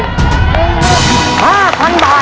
คุณฝนจากชายบรรยาย